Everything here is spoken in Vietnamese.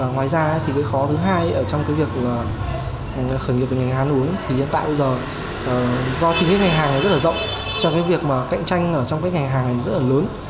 ngoài ra thì cái khó thứ hai trong việc khởi nghiệp ở nhà hàng uống thì hiện tại bây giờ do chính cái nhà hàng rất là rộng cho cái việc cạnh tranh trong cái nhà hàng rất là lớn